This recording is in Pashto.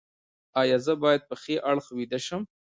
ایا زه باید په ښي اړخ ویده شم؟